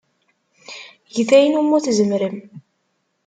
Get ayen umi tzemrem.